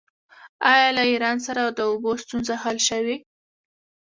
آیا له ایران سره د اوبو ستونزه حل شوې؟